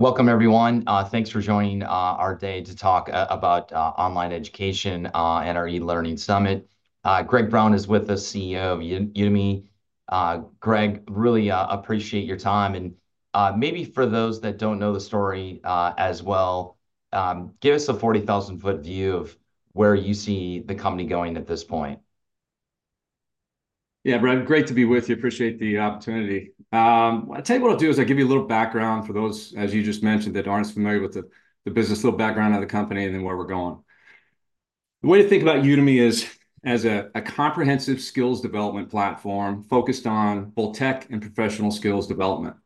Welcome, everyone. Thanks for joining our day to talk about online education and our e-learning summit. Greg Brown is with us, CEO of Udemy. Greg, really appreciate your time. And, maybe for those that don't know the story, as well, give us a 40,000-foot view of where you see the company going at this point. Yeah, Brent, great to be with you. Appreciate the opportunity. I'll tell you what I'll do is I'll give you a little background for those as you just mentioned that aren't familiar with the business, a little background of the company and then where we're going. The way to think about Udemy is as a comprehensive skills development platform focused on both tech and professional skills development.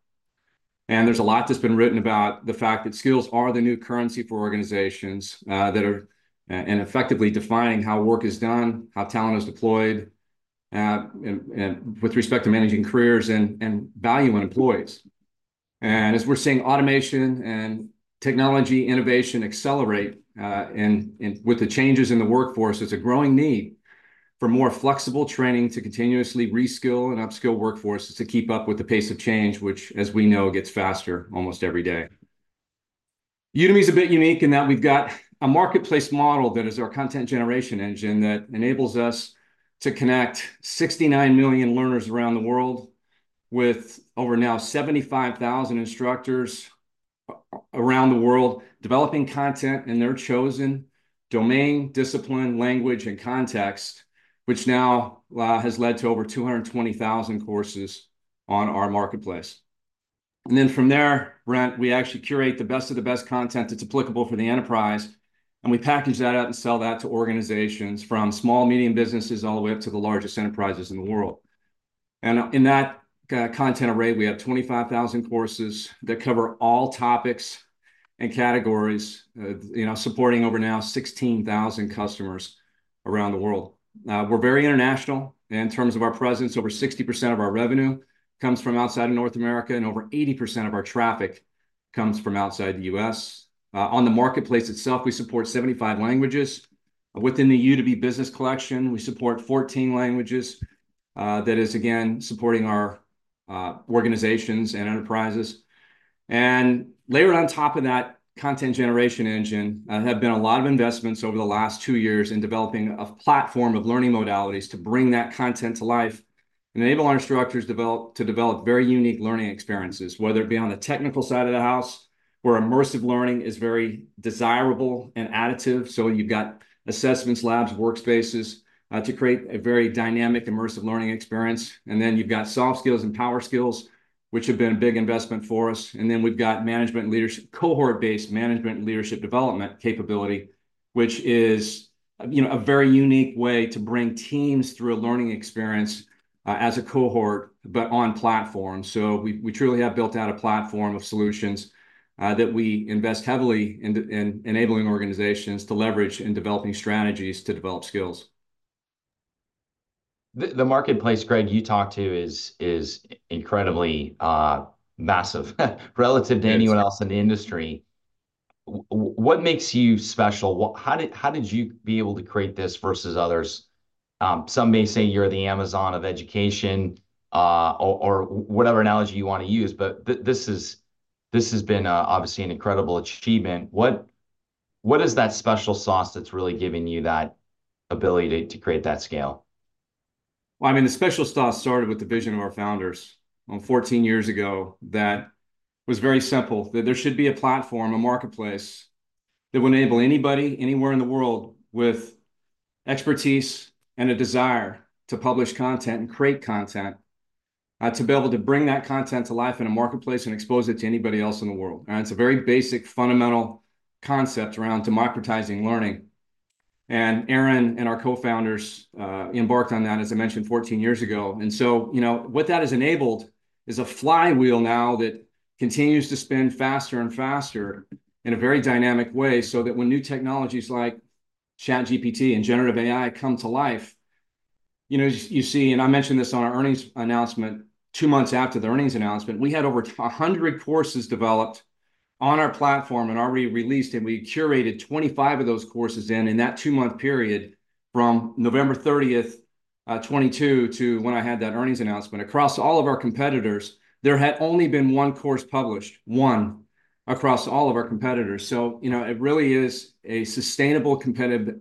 There's a lot that's been written about the fact that skills are the new currency for organizations, and effectively defining how work is done, how talent is deployed, and with respect to managing careers and value in employees. As we're seeing automation and technology innovation accelerate in with the changes in the workforce, it's a growing need for more flexible training to continuously reskill and upskill workforces to keep up with the pace of change, which, as we know, gets faster almost every day. Udemy's a bit unique in that we've got a marketplace model that is our content generation engine that enables us to connect 69,000,000 learners around the world with over now 75,000 instructors around the world developing content in their chosen domain, discipline, language, and context, which now has led to over 220,000 courses on our marketplace. Then from there, Brent, we actually curate the best of the best content that's applicable for the enterprise, and we package that up and sell that to organizations from small, medium businesses all the way up to the largest enterprises in the world. In that content array, we have 25,000 courses that cover all topics and categories, you know, supporting over now 16,000 customers around the world. We're very international in terms of our presence. Over 60% of our revenue comes from outside of North America, and over 80% of our traffic comes from outside the U.S. On the marketplace itself, we support 75 languages. Within the Udemy Business collection, we support 14 languages, that is, again, supporting our organizations and enterprises. Layered on top of that content generation engine have been a lot of investments over the last two years in developing a platform of learning modalities to bring that content to life and enable our instructors to develop to develop very unique learning experiences, whether it be on the technical side of the house where immersive learning is very desirable and additive. So you've got assessments, labs, workspaces, to create a very dynamic, immersive learning experience. And then you've got soft skills and power skills, which have been a big investment for us. And then we've got management leadership, cohort-based management leadership development capability, which is, you know, a very unique way to bring teams through a learning experience, as a cohort, but on platform. So we, we truly have built out a platform of solutions, that we invest heavily in, in enabling organizations to leverage in developing strategies to develop skills. The marketplace, Greg, you talk to is incredibly massive relative to anyone else in the industry. What makes you special? How did you be able to create this versus others? Some may say you're the Amazon of education, or whatever analogy you want to use, but this has been, obviously, an incredible achievement. What is that special sauce that's really giving you that ability to create that scale? Well, I mean, the special sauce started with the vision of our founders 14 years ago that was very simple, that there should be a platform, a marketplace that would enable anybody anywhere in the world with expertise and a desire to publish content and create content, to be able to bring that content to life in a marketplace and expose it to anybody else in the world. And it's a very basic, fundamental concept around democratizing learning. And Eren and our co-founders, embarked on that, as I mentioned, 14 years ago. And so, you know, what that has enabled is a flywheel now that continues to spin faster and faster in a very dynamic way so that when new technologies like ChatGPT and generative AI come to life, you know, you see and I mentioned this on our earnings announcement two months after the earnings announcement, we had over 100 courses developed on our platform and already released, and we curated 25 of those courses in that two-month period from November 30th, 2022 to when I had that earnings announcement across all of our competitors. There had only been one course published, one, across all of our competitors. So, you know, it really is a sustainable competitive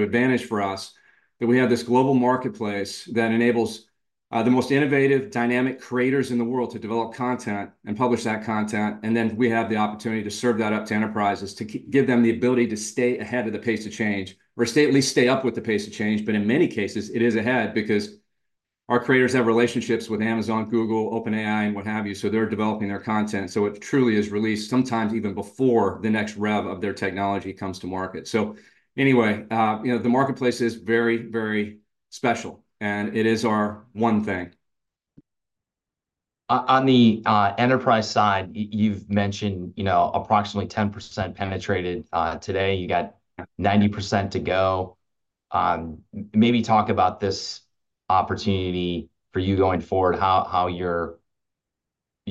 advantage for us that we have this global marketplace that enables the most innovative, dynamic creators in the world to develop content and publish that content. And then we have the opportunity to serve that up to enterprises to give them the ability to stay ahead of the pace of change or stay at least stay up with the pace of change. But in many cases, it is ahead because our creators have relationships with Amazon, Google, OpenAI, and what have you. So they're developing their content. So it truly is released sometimes even before the next rev of their technology comes to market. So anyway, you know, the marketplace is very, very special, and it is our one thing. On the enterprise side, you've mentioned, you know, approximately 10% penetrated today. You got 90% to go. Maybe talk about this opportunity for you going forward, how you're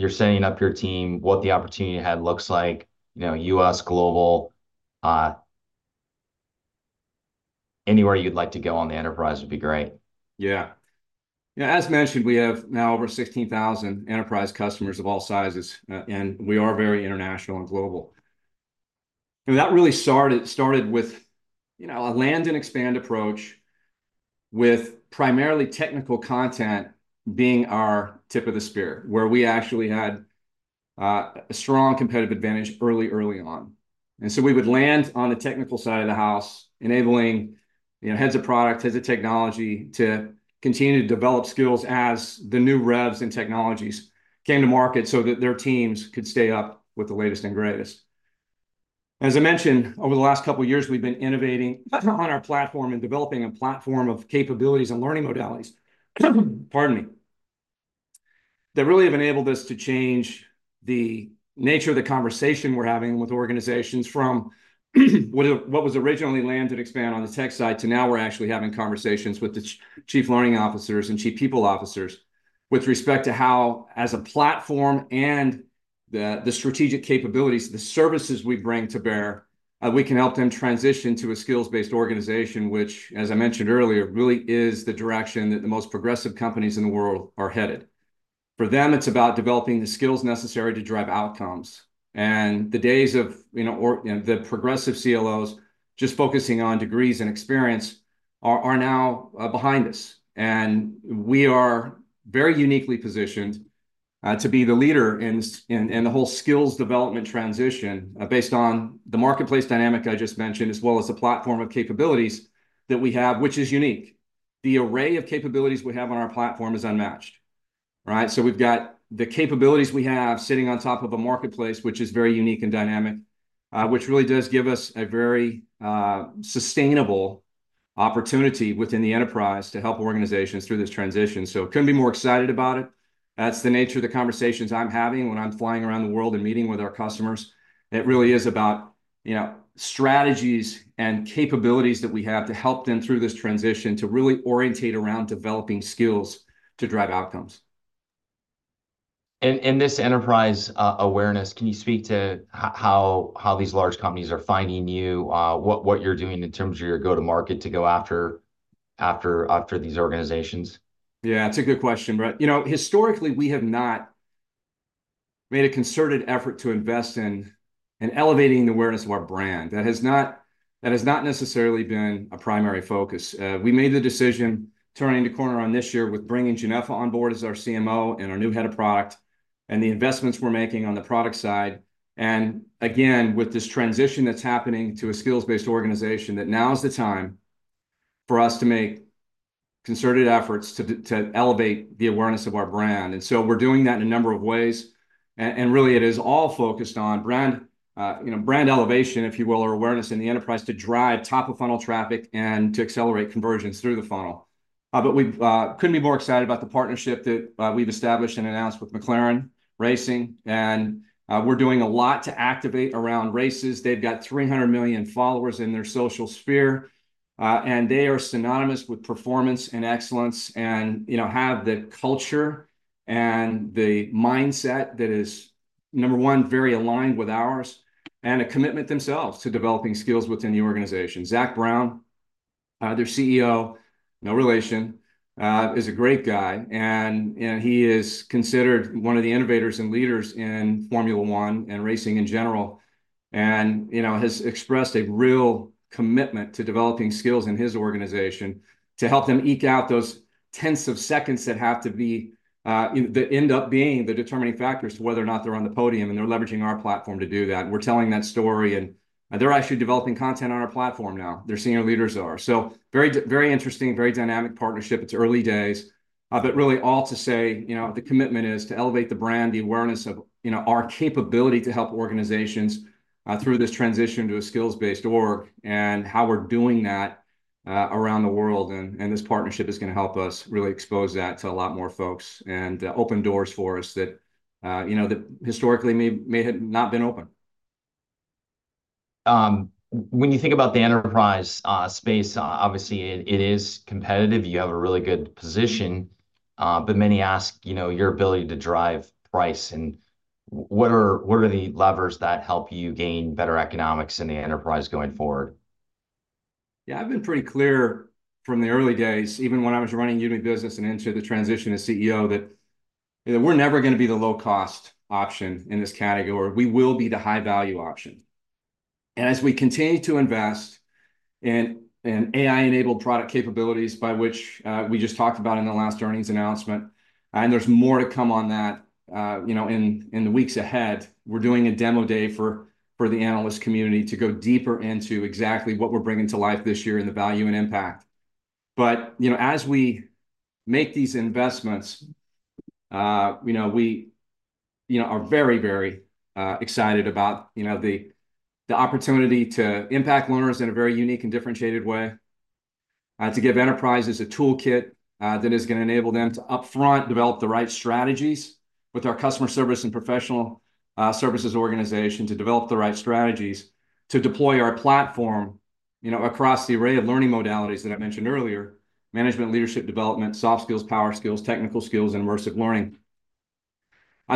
setting up your team, what the opportunity ahead looks like, you know, US, global, anywhere you'd like to go on the enterprise would be great. Yeah. You know, as mentioned, we have now over 16,000 enterprise customers of all sizes, and we are very international and global. That really started with, you know, a land and expand approach with primarily technical content being our tip of the spear where we actually had a strong competitive advantage early on. So we would land on the technical side of the house, enabling, you know, heads of product, heads of technology to continue to develop skills as the new revs and technologies came to market so that their teams could stay up with the latest and greatest. As I mentioned, over the last couple of years, we've been innovating on our platform and developing a platform of capabilities and learning modalities (pardon me) that really have enabled us to change the nature of the conversation we're having with organizations from what it was originally land and expand on the tech side to now we're actually having conversations with the Chief Learning Officers and Chief People Officers with respect to how, as a platform and the strategic capabilities, the services we bring to bear, we can help them transition to a skills-based organization, which, as I mentioned earlier, really is the direction that the most progressive companies in the world are headed. For them, it's about developing the skills necessary to drive outcomes. And the days of, you know, or, you know, the progressive CLOs just focusing on degrees and experience are now behind us. And we are very uniquely positioned to be the leader in skills, in the whole skills development transition, based on the marketplace dynamic I just mentioned, as well as the platform of capabilities that we have, which is unique. The array of capabilities we have on our platform is unmatched, right? We've got the capabilities we have sitting on top of a marketplace, which is very unique and dynamic, which really does give us a very sustainable opportunity within the enterprise to help organizations through this transition. So it couldn't be more excited about it. That's the nature of the conversations I'm having when I'm flying around the world and meeting with our customers. It really is about, you know, strategies and capabilities that we have to help them through this transition to really orientate around developing skills to drive outcomes. And this enterprise awareness, can you speak to how these large companies are finding you, what you're doing in terms of your go-to-market to go after these organizations? Yeah, it's a good question, Brent. You know, historically, we have not made a concerted effort to invest in elevating the awareness of our brand. That has not necessarily been a primary focus. We made the decision turning the corner on this year with bringing Genefa on board as our CMO and our new head of product and the investments we're making on the product side. And again, with this transition that's happening to a skills-based organization, that now is the time for us to make concerted efforts to elevate the awareness of our brand. And so we're doing that in a number of ways. And really, it is all focused on brand, you know, brand elevation, if you will, or awareness in the enterprise to drive top-of-funnel traffic and to accelerate conversions through the funnel. but we couldn't be more excited about the partnership that we've established and announced with McLaren Racing. We're doing a lot to activate around races. They've got 300,000,000 followers in their social sphere, and they are synonymous with performance and excellence and, you know, have the culture and the mindset that is, number one, very aligned with ours and a commitment themselves to developing skills within the organization. Zak Brown, their CEO, no relation, is a great guy. And he is considered one of the innovators and leaders in Formula One and racing in general and, you know, has expressed a real commitment to developing skills in his organization to help them eke out those tens of seconds that have to be, you know, that end up being the determining factors to whether or not they're on the podium and they're leveraging our platform to do that. And we're telling that story, and they're actually developing content on our platform now. Their senior leaders are. So very, very interesting, very dynamic partnership. It's early days. But really all to say, you know, the commitment is to elevate the brand, the awareness of, you know, our capability to help organizations, through this transition to a skills-based org and how we're doing that, around the world. And this partnership is going to help us really expose that to a lot more folks and, open doors for us that, you know, that historically may have not been open. When you think about the enterprise space, obviously, it is competitive. You have a really good position, but many ask, you know, your ability to drive price. And what are the levers that help you gain better economics in the enterprise going forward? Yeah, I've been pretty clear from the early days, even when I was running Udemy Business and into the transition as CEO, that, you know, we're never going to be the low-cost option in this category. We will be the high-value option. And as we continue to invest in AI-enabled product capabilities by which we just talked about in the last earnings announcement, and there's more to come on that, you know, in the weeks ahead, we're doing a demo day for the analyst community to go deeper into exactly what we're bringing to life this year in the value and impact. But, you know, as we make these investments, you know, we, you know, are very, very excited about, you know, the, the opportunity to impact learners in a very unique and differentiated way, to give enterprises a toolkit that is going to enable them to upfront develop the right strategies with our customer service and professional services organization to develop the right strategies to deploy our platform, you know, across the array of learning modalities that I mentioned earlier: management, leadership, development, soft skills, power skills, technical skills, and immersive learning,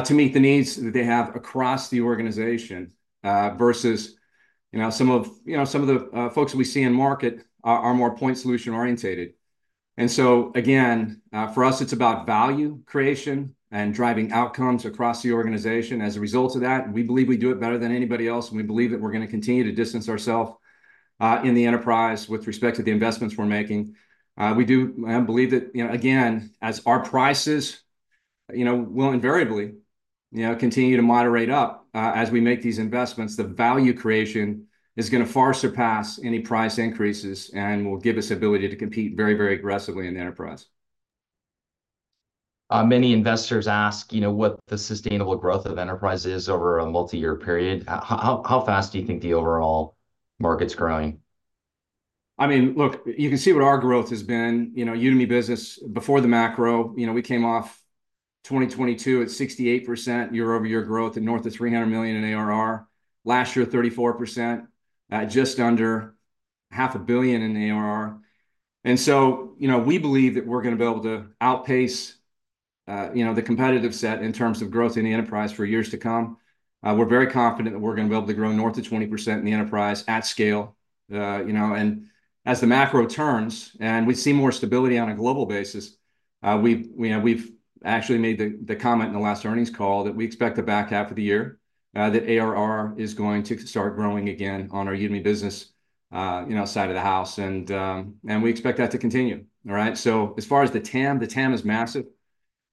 to meet the needs that they have across the organization, versus, you know, some of, you know, some of the folks that we see in market are, are more point-solution oriented. And so again, for us, it's about value creation and driving outcomes across the organization. As a result of that, we believe we do it better than anybody else, and we believe that we're going to continue to distance ourselves, in the enterprise with respect to the investments we're making. We do believe that, you know, again, as our prices, you know, will invariably, you know, continue to moderate up, as we make these investments, the value creation is going to far surpass any price increases and will give us ability to compete very, very aggressively in the enterprise. Many investors ask, you know, what the sustainable growth of enterprise is over a multi-year period. How fast do you think the overall market's growing? I mean, look, you can see what our growth has been. You know, Udemy Business before the macro, you know, we came off 2022 at 68% year-over-year growth and north of $300,000,000 in ARR. Last year, 34%, just under $500,000,000 in ARR. And so, you know, we believe that we're going to be able to outpace, you know, the competitive set in terms of growth in the enterprise for years to come. We're very confident that we're going to be able to grow north of 20% in the enterprise at scale, you know, and as the macro turns and we see more stability on a global basis, we, you know, we've actually made the comment in the last earnings call that we expect a back half of the year, that ARR is going to start growing again on our Udemy Business, you know, side of the house. And we expect that to continue, all right? So as far as the TAM, the TAM is massive.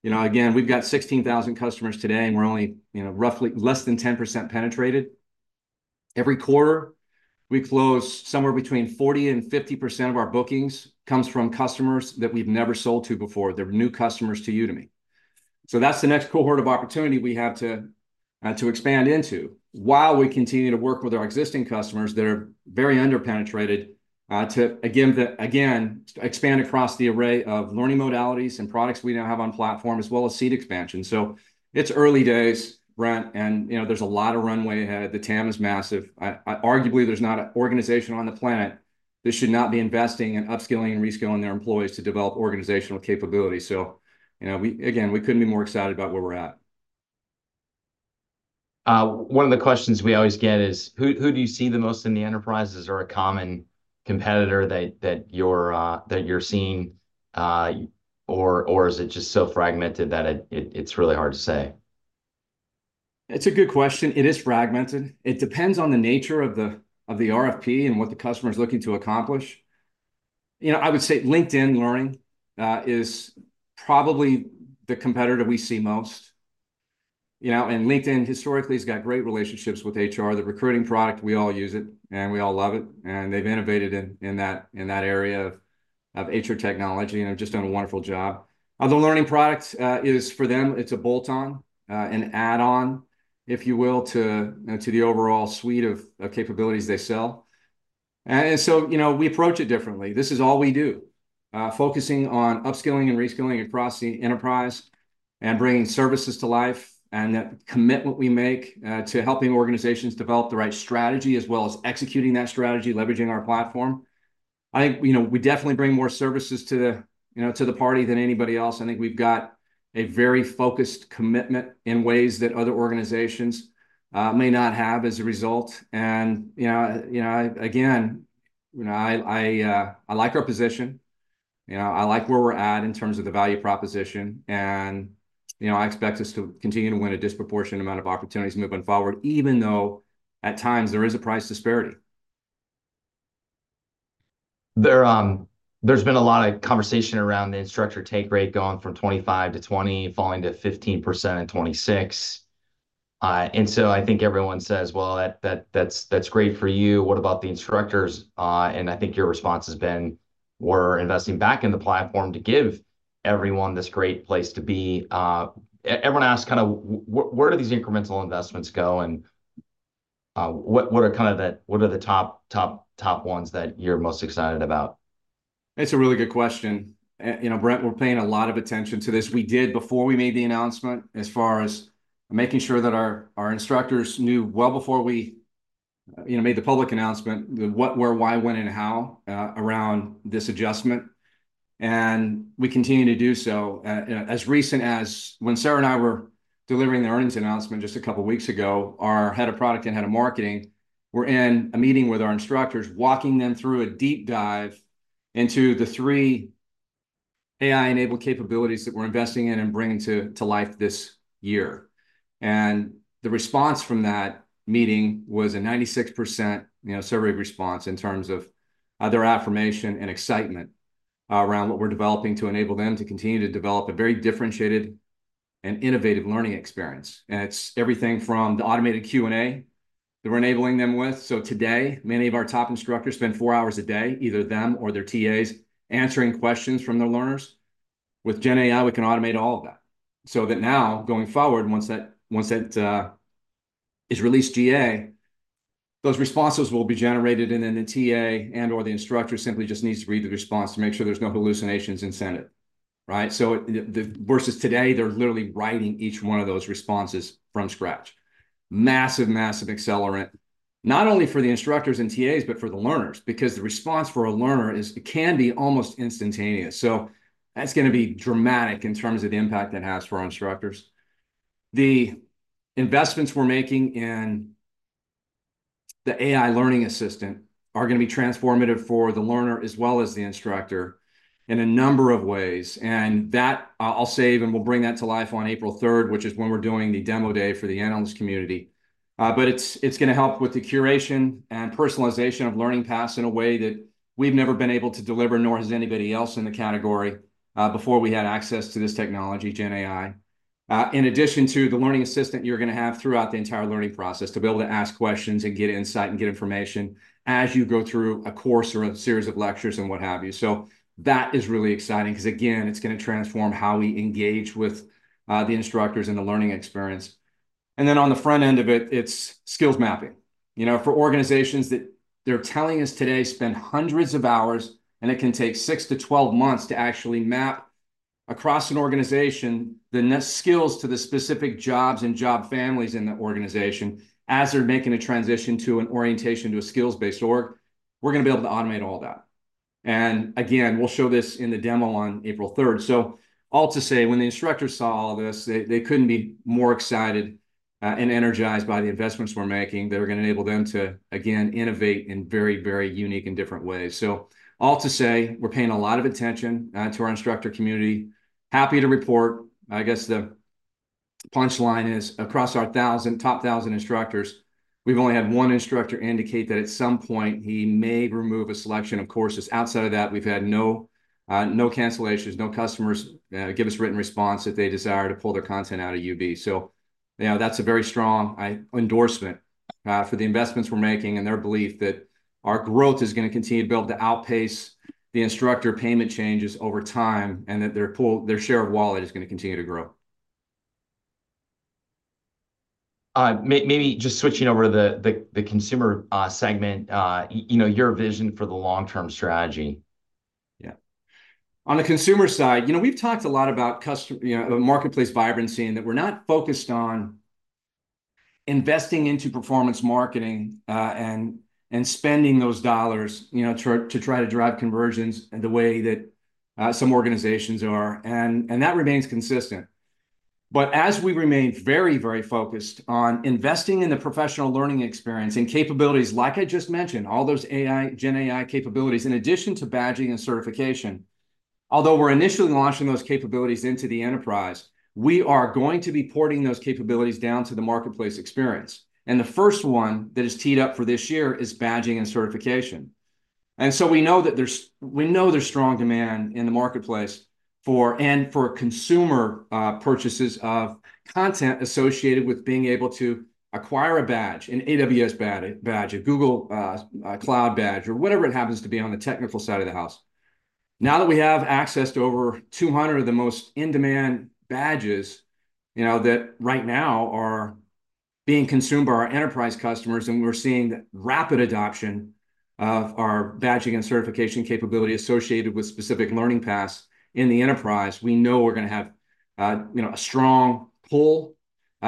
You know, again, we've got 16,000 customers today, and we're only, you know, roughly less than 10% penetrated. Every quarter, we close somewhere between 40%-50% of our bookings comes from customers that we've never sold to before. They're new customers to Udemy. So that's the next cohort of opportunity we have to expand into while we continue to work with our existing customers that are very under-penetrated, to again, again, expand across the array of learning modalities and products we now have on platform as well as seed expansion. So it's early days, Brent, and, you know, there's a lot of runway ahead. The TAM is massive. I arguably there's not an organization on the planet that should not be investing in upskilling and reskilling their employees to develop organizational capability. So, you know, we again, we couldn't be more excited about where we're at. One of the questions we always get is, who do you see the most in the enterprises or a common competitor that you're seeing, or is it just so fragmented that it's really hard to say? It's a good question. It is fragmented. It depends on the nature of the RFP and what the customer's looking to accomplish. You know, I would say LinkedIn Learning is probably the competitor we see most, you know, and LinkedIn historically has got great relationships with HR. The recruiting product, we all use it, and we all love it. They've innovated in that area of HR technology and have just done a wonderful job. The learning product is for them, it's a bolt-on, an add-on, if you will, to you know, to the overall suite of capabilities they sell. So, you know, we approach it differently. This is all we do, focusing on upskilling and reskilling across the enterprise and bringing services to life and that commitment we make, to helping organizations develop the right strategy as well as executing that strategy, leveraging our platform. I think, you know, we definitely bring more services to the, you know, to the party than anybody else. I think we've got a very focused commitment in ways that other organizations may not have as a result. And, you know, again, you know, I like our position. You know, I like where we're at in terms of the value proposition. And, you know, I expect us to continue to win a disproportionate amount of opportunities moving forward, even though at times there is a price disparity. There's been a lot of conversation around the instructor take rate going from 25% to 20%, falling to 15% in 2026. And so I think everyone says, "Well, that, that, that's, that's great for you. What about the instructors?" and I think your response has been, "We're investing back in the platform to give everyone this great place to be." Everyone asks kind of where do these incremental investments go and, what are kind of the top, top, top ones that you're most excited about? That's a really good question. And you know, Brent, we're paying a lot of attention to this. We did before we made the announcement as far as making sure that our instructors knew well before we, you know, made the public announcement what, where, why, when and how, around this adjustment. And we continue to do so. You know, as recent as when Sarah and I were delivering the earnings announcement just a couple of weeks ago, our head of product and head of marketing, we're in a meeting with our instructors, walking them through a deep dive into the three AI-enabled capabilities that we're investing in and bringing to life this year. The response from that meeting was a 96%, you know, survey response in terms of their affirmation and excitement around what we're developing to enable them to continue to develop a very differentiated and innovative learning experience. It's everything from the automated Q&A that we're enabling them with. So today, many of our top instructors spend four hours a day, either them or their TAs, answering questions from their learners. With GenAI, we can automate all of that so that now, going forward, once that is released, GA, those responses will be generated, and then the TA and/or the instructor simply just needs to read the response to make sure there's no hallucinations and send it, right? So, the versus today, they're literally writing each one of those responses from scratch. Massive, massive accelerant not only for the instructors and TAs, but for the learners because the response for a learner is it can be almost instantaneous. So that's going to be dramatic in terms of the impact it has for our instructors. The investments we're making in the AI learning assistant are going to be transformative for the learner as well as the instructor in a number of ways. And that, I'll save and we'll bring that to life on April 3rd, which is when we're doing the demo day for the analyst community. But it's, it's going to help with the curation and personalization of learning paths in a way that we've never been able to deliver nor has anybody else in the category, before we had access to this technology, GenAI. In addition to the learning assistant you're going to have throughout the entire learning process to be able to ask questions and get insight and get information as you go through a course or a series of lectures and what have you. So that is really exciting because, again, it's going to transform how we engage with the instructors and the learning experience. And then on the front end of it, it's skills mapping. You know, for organizations that they're telling us today spend hundreds of hours, and it can take 6-12 months to actually map across an organization the next skills to the specific jobs and job families in the organization as they're making a transition to an orientation to a skills-based org, we're going to be able to automate all that. And again, we'll show this in the demo on April 3rd. So all to say, when the instructors saw all this, they, they couldn't be more excited, and energized by the investments we're making. They were going to enable them to, again, innovate in very, very unique and different ways. So all to say, we're paying a lot of attention to our instructor community. Happy to report, I guess the punchline is across our 1,000 top 1,000 instructors, we've only had one instructor indicate that at some point he may remove a selection of courses. Outside of that, we've had no, no cancellations, no customers give us written response that they desire to pull their content out of UB. So, you know, that's a very strong endorsement for the investments we're making and their belief that our growth is going to continue to be able to outpace the instructor payment changes over time and that their pool their share of wallet is going to continue to grow. Maybe just switching over to the consumer segment. You know, your vision for the long-term strategy. Yeah. On the consumer side, you know, we've talked a lot about custom, you know, marketplace vibrancy and that we're not focused on investing into performance marketing, and that remains consistent. But as we remain very, very focused on investing in the professional learning experience and capabilities, like I just mentioned, all those AI GenAI capabilities in addition to badging and certification, although we're initially launching those capabilities into the enterprise, we are going to be porting those capabilities down to the marketplace experience. And the first one that is teed up for this year is badging and certification. And so we know that there's strong demand in the marketplace for consumer purchases of content associated with being able to acquire a badge, an AWS badge, a Google Cloud badge, or whatever it happens to be on the technical side of the house. Now that we have access to over 200 of the most in-demand badges, you know, that right now are being consumed by our enterprise customers, and we're seeing rapid adoption of our badging and certification capability associated with specific learning paths in the enterprise, we know we're going to have, you know, a strong pull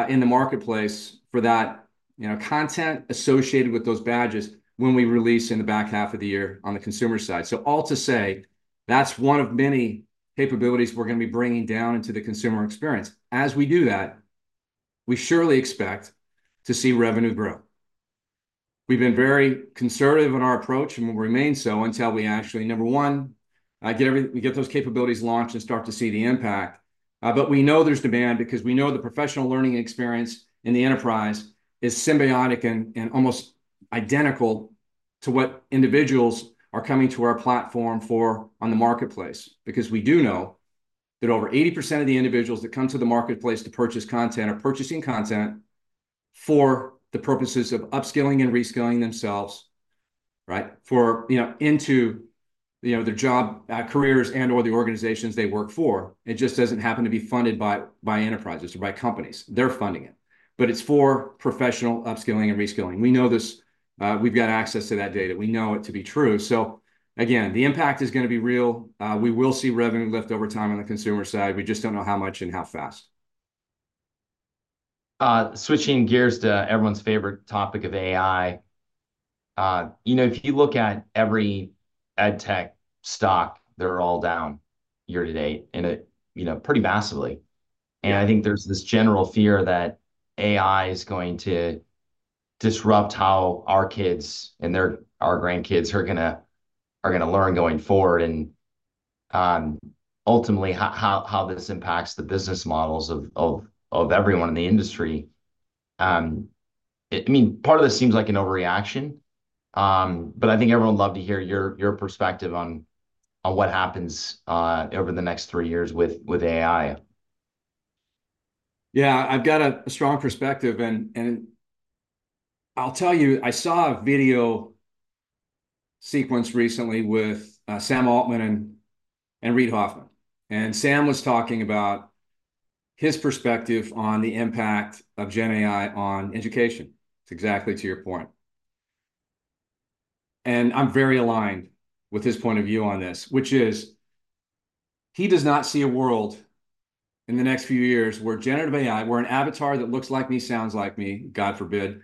in the marketplace for that, you know, content associated with those badges when we release in the back half of the year on the consumer side. So all to say, that's one of many capabilities we're going to be bringing down into the consumer experience. As we do that, we surely expect to see revenue grow. We've been very conservative in our approach, and we'll remain so until we actually, number one, get those capabilities launched and start to see the impact. But we know there's demand because we know the professional learning experience in the enterprise is symbiotic and almost identical to what individuals are coming to our platform for on the marketplace because we do know that over 80% of the individuals that come to the marketplace to purchase content are purchasing content for the purposes of upskilling and reskilling themselves, right, for, you know, their job, careers and/or the organizations they work for. It just doesn't happen to be funded by enterprises or by companies. They're funding it, but it's for professional upskilling and reskilling. We know this. We've got access to that data. We know it to be true. So again, the impact is going to be real. We will see revenue lift over time on the consumer side. We just don't know how much and how fast. Switching gears to everyone's favorite topic of AI. You know, if you look at every edtech stock, they're all down year to date in a, you know, pretty massively. And I think there's this general fear that AI is going to disrupt how our kids and our grandkids are going to learn going forward. And, ultimately, how this impacts the business models of everyone in the industry. I mean, part of this seems like an overreaction. But I think everyone would love to hear your perspective on what happens over the next three years with AI. Yeah, I've got a strong perspective. And I'll tell you, I saw a video sequence recently with Sam Altman and Reid Hoffman. And Sam was talking about his perspective on the impact of GenAI on education. It's exactly to your point. I'm very aligned with his point of view on this, which is he does not see a world in the next few years where generative AI, where an avatar that looks like me, sounds like me, God forbid,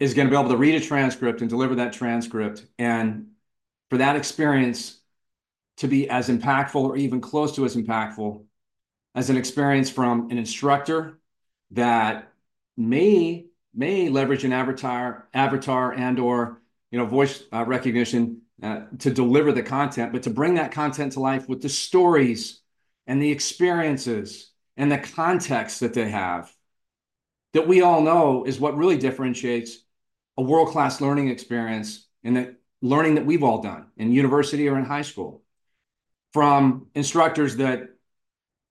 is going to be able to read a transcript and deliver that transcript and for that experience to be as impactful or even close to as impactful as an experience from an instructor that may, may leverage an avatar avatar and/or, you know, voice recognition, to deliver the content, but to bring that content to life with the stories and the experiences and the context that they have that we all know is what really differentiates a world-class learning experience and the learning that we've all done in university or in high school from instructors that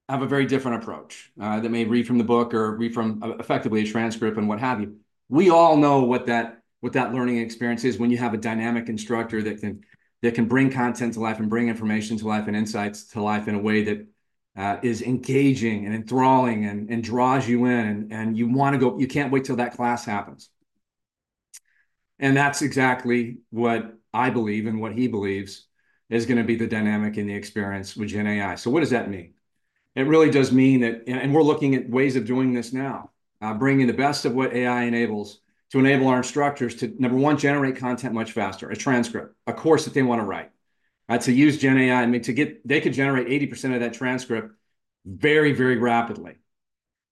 have a very different approach, that may read from the book or read from effectively a transcript and what have you. We all know what that learning experience is when you have a dynamic instructor that can bring content to life and bring information to life and insights to life in a way that is engaging and enthralling and draws you in and you want to go; you can't wait till that class happens. And that's exactly what I believe and what he believes is going to be the dynamic in the experience with GenAI. So what does that mean? It really does mean that and we're looking at ways of doing this now, bringing the best of what AI enables to enable our instructors to number one, generate content much faster, a transcript, a course that they want to write, right, to use GenAI. I mean, they could generate 80% of that transcript very, very rapidly.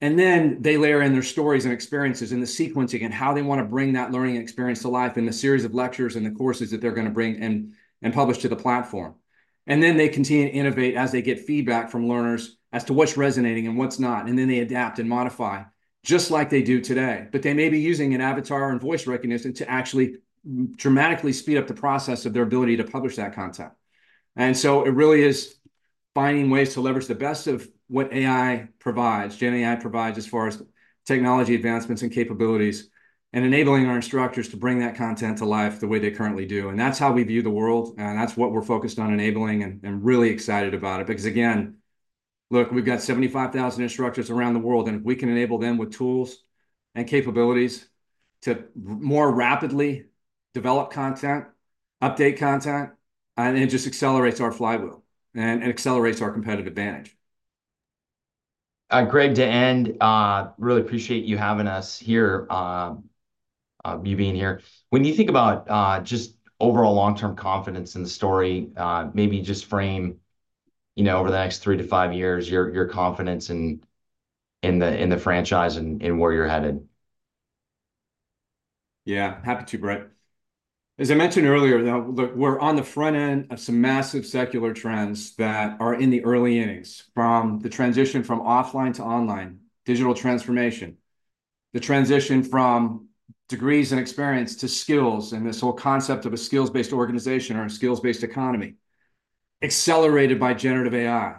They layer in their stories and experiences and the sequencing and how they want to bring that learning experience to life in the series of lectures and the courses that they're going to bring and publish to the platform. They continue to innovate as they get feedback from learners as to what's resonating and what's not. They adapt and modify just like they do today, but they may be using an avatar and voice recognition to actually dramatically speed up the process of their ability to publish that content. So it really is finding ways to leverage the best of what AI provides, GenAI provides as far as technology advancements and capabilities and enabling our instructors to bring that content to life the way they currently do. That's how we view the world. And that's what we're focused on enabling and, and really excited about it because, again, look, we've got 75,000 instructors around the world, and if we can enable them with tools and capabilities to more rapidly develop content, update content, and it just accelerates our flywheel and, and accelerates our competitive advantage. Greg, to end, really appreciate you having us here, you being here. When you think about, just overall long-term confidence in the story, maybe just frame, you know, over the next 3-5 years, your confidence in the franchise and where you're headed. Yeah, happy to, Brent. As I mentioned earlier, though, look, we're on the front end of some massive secular trends that are in the early innings from the transition from offline to online, digital transformation, the transition from degrees and experience to skills and this whole concept of a skills-based organization or a skills-based economy accelerated by generative AI.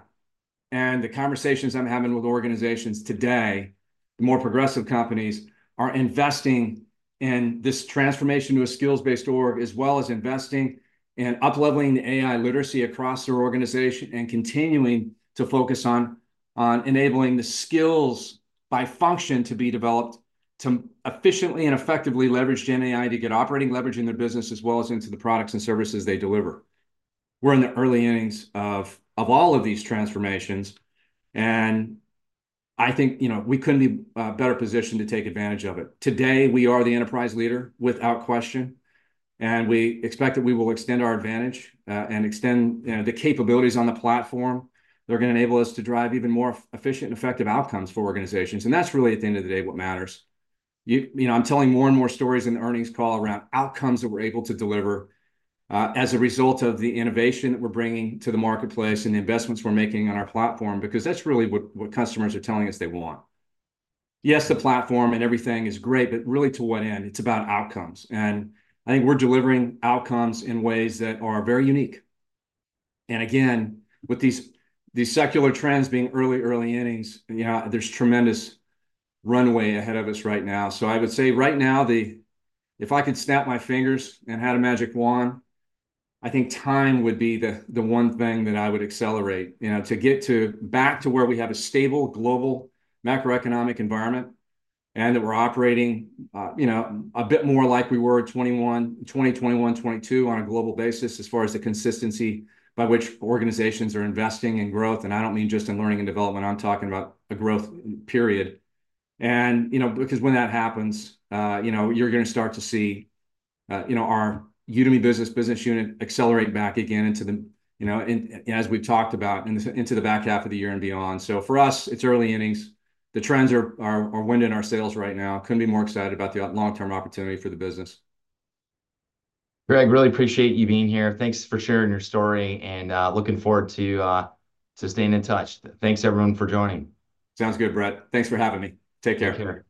And the conversations I'm having with organizations today, the more progressive companies, are investing in this transformation to a skills-based org as well as investing in upleveling the AI literacy across their organization and continuing to focus on, on enabling the skills by function to be developed to efficiently and effectively leverage GenAI to get operating leverage in their business as well as into the products and services they deliver. We're in the early innings of, of all of these transformations. I think, you know, we couldn't be better positioned to take advantage of it. Today, we are the enterprise leader without question. We expect that we will extend our advantage, and extend, you know, the capabilities on the platform that are going to enable us to drive even more efficient and effective outcomes for organizations. That's really, at the end of the day, what matters. You, you know, I'm telling more and more stories in the earnings call around outcomes that we're able to deliver, as a result of the innovation that we're bringing to the marketplace and the investments we're making on our platform because that's really what, what customers are telling us they want. Yes, the platform and everything is great, but really, to what end? It's about outcomes. I think we're delivering outcomes in ways that are very unique. And again, with these, these secular trends being early, early innings, you know, there's tremendous runway ahead of us right now. So I would say right now, the if I could snap my fingers and had a magic wand, I think time would be the, the one thing that I would accelerate, you know, to get to back to where we have a stable global macroeconomic environment and that we're operating, you know, a bit more like we were in 2021, 2021, 2022 on a global basis as far as the consistency by which organizations are investing in growth. And I don't mean just in learning and development. I'm talking about a growth period. You know, because when that happens, you know, you're going to start to see, you know, our Udemy Business, business unit accelerate back again into the, you know, and, and as we've talked about, into the back half of the year and beyond. So for us, it's early innings. The trends are winding our sales right now. Couldn't be more excited about the long-term opportunity for the business. Greg, really appreciate you being here. Thanks for sharing your story. Looking forward to staying in touch. Thanks, everyone, for joining. Sounds good, Brent. Thanks for having me. Take care. Take care.